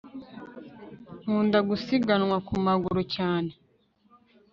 nkunda gusiganwa ku maguru cyane